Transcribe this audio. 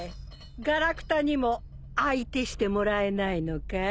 ガラクタにも相手してもらえないのかい？